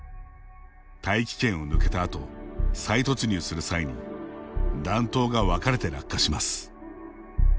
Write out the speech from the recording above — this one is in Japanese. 大気圏を抜けたあと再突入する際に弾頭が分かれて落下します。